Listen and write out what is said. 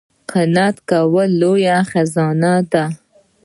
قناعت کول لویه خزانه ده